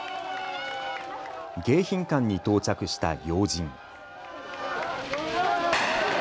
迎賓館に到着した要人。